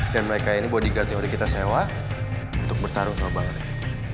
dan mereka ini bodyguard yang udah kita sewa untuk bertarung sama bang re